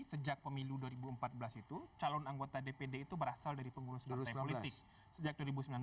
sejak pemilu dua ribu empat belas itu calon anggota dpd itu berasal dari pengurus partai politik sejak dua ribu sembilan belas